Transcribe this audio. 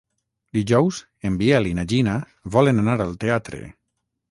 Dijous en Biel i na Gina volen anar al teatre.